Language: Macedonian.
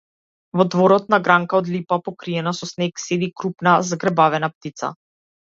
Во дворот, на гранка од липа, покриена со снег, седи крупна, згрбавена птица.